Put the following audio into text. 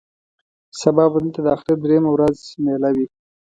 سبا به دلته د اختر درېیمه ورځ مېله وي.